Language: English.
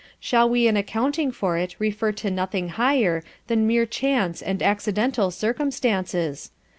Shall we in accounting for it refer to nothing higher than mere Chance and accidental Circumstances?